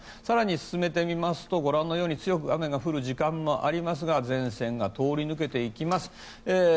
更に進めていきますと強く雨が降る時間もありますが前線が通り抜けていきます。